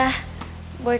boy kan emang mau tidur